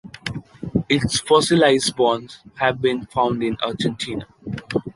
Its fossilized bones have been found in Argentina.